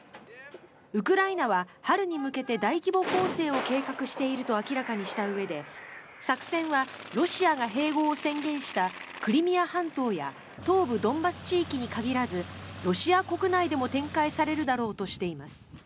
ウクライナは春に向けて大規模攻勢を計画していると明らかにしたうえで作戦はロシアが併合を宣言したクリミア半島や東部ドンバス地域に限らずロシア国内でも展開されるだろうとしています。